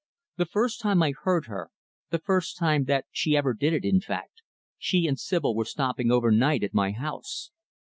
The first time I heard her the first time that she ever did it, in fact she and Sibyl were stopping over night at my house.